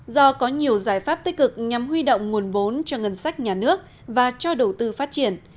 do có nhiều giải pháp tích cực nhằm huy động nguồn vốn cho ngân sách nhà nước và cho đầu tư phát triển